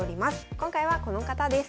今回はこの方です。